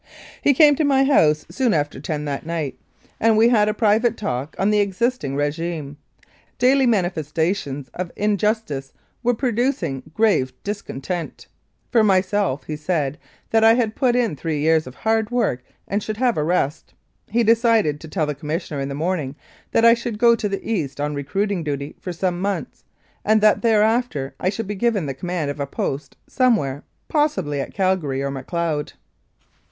He came to my house soon after ten that night, 36 1886 88. Regina and we had a private talk on the existing regime. Daily manifestations of injustice were producing grave discon tent. For myself, he said that I had put in three years of hard work and should have a rest. He had decided to tell the Commissioner in the morning that I should go to the east on recruiting duty for some months, and that thereafter I should be given the command of a post somewhere, possibly at Calgary or Macleod.